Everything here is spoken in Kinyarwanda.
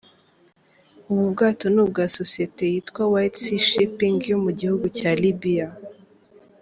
Ubu bwato ni ubwa sosiyete yitwa « White Sea Shipping » yo mu gihugu cya Libiya.